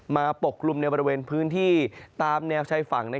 ปกกลุ่มในบริเวณพื้นที่ตามแนวชายฝั่ง